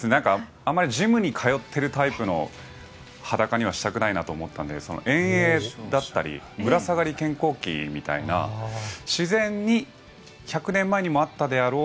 あまりジムに通うタイプの裸にしたくないと思って遠泳だったりぶら下がり健康器だったり自然に１００年前にもあっただろう